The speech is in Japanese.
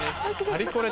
あれ？